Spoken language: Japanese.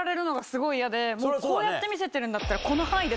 こうやって見せてるんだったら。